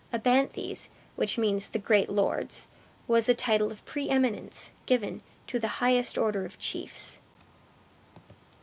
Abthanes, which means the great lords, was a title of pre eminence given to the higher order of chiefs.